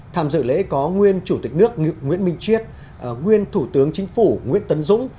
tham dự lễ có nguyên chủ tịch nước nguyễn minh triết nguyên thủ tướng chính phủ nguyễn tấn dũng